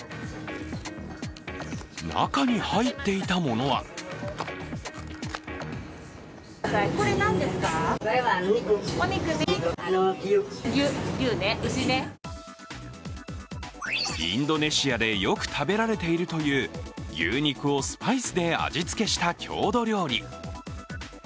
中に入っていたものはインドネシアでよく食べられているという牛肉をスパイスで味付けした郷土料理。